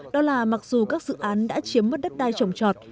đó là mặc dù các dự án đã chiếm mất đất đai trồng trọt